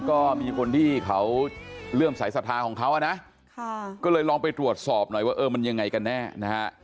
ก็มีคนที่เขาเริ่มใส่สถาของเขาอะนะก็เลยลองไปตรวจสอบหน่อยว่ามันยังไงกันแน่